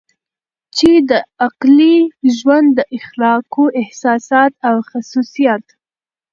چې د عقلې ژوند د اخلاقو احساسات او خصوصیات